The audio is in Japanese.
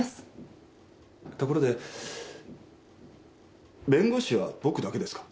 ところで弁護士は僕だけですか？